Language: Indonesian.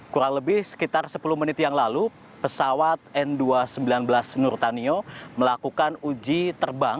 kurang lebih sekitar sepuluh menit yang lalu pesawat n dua ratus sembilan belas nurtanio melakukan uji terbang